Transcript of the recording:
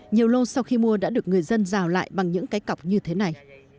nhiều lô sau khi mua đã được người dân rào lại bằng những cái cọc như thế này